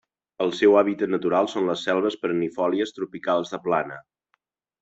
El seu hàbitat natural són les selves perennifòlies tropicals de plana.